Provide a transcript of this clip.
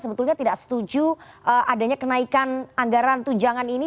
sebetulnya tidak setuju adanya kenaikan anggaran tunjangan ini